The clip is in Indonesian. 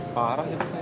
parah ya pak ya